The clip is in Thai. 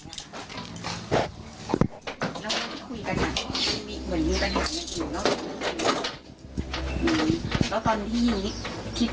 คิดว่าจะถือทำให้เขาถึงขั้นเสียชีวิตไหมครับ